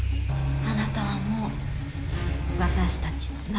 あなたはもう私たちの仲間。